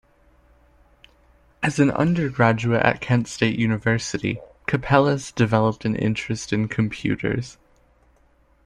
As an undergraduate at Kent State University, Capellas developed an interest in computers.